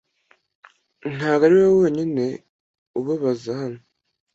Ntabwo ari wowe wenyine ubabaza hano.